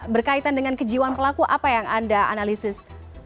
berkaitan dengan kejiwaan pelaku apa yang anda analisis